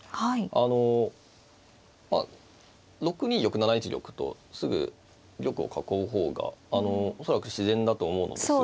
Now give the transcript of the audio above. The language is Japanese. あのまあ６二玉７一玉とすぐ玉を囲う方が恐らく自然だと思うのですが。